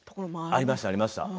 ありました、ありました。